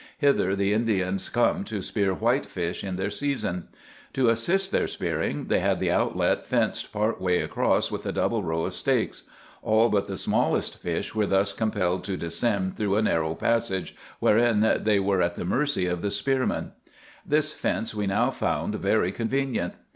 Hither the Indians come to spear whitefish in their season. To assist their spearing they had the outlet fenced part way across with a double row of stakes. All but the smallest fish were thus compelled to descend through a narrow passage, wherein they were at the mercy of the spearman. This fence we now found very convenient.